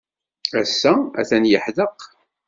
Ass-a, atan yeḥdeq.